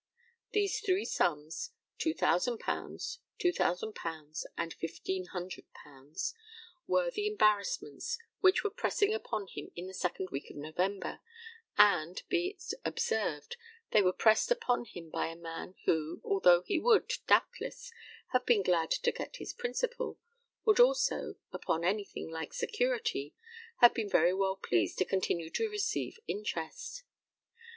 These three sums £2,000, £2,000, and £1,500 were the embarrassments which were pressing upon him in the second week in November, and, be it observed, they were pressed upon him by a man who, although he would, doubtless, have been glad to get his principal, would also, upon anything like security, have been very well pleased to continue to receive interest.